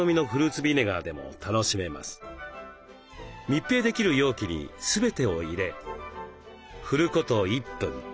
密閉できる容器に全てを入れ振ること１分。